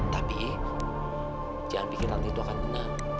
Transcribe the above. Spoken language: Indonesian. tapi jangan pikir tante itu akan dengar